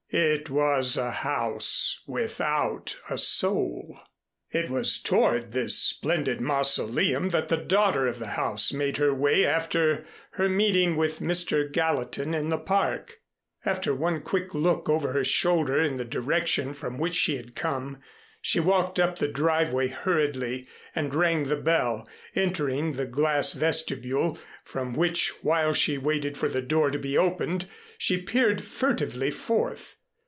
It was a house without a soul. It was toward this splendid mausoleum that the daughter of the house made her way after her meeting with Mr. Gallatin in the Park. After one quick look over her shoulder in the direction from which she had come, she walked up the driveway hurriedly and rang the bell, entering the glass vestibule, from which, while she waited for the door to be opened, she peered furtively forth.